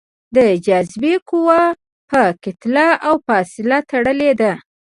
د جاذبې قوه په کتله او فاصلې تړلې ده.